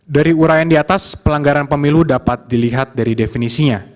dari uraian diatas pelanggaran pemilu dapat dilihat dari definisinya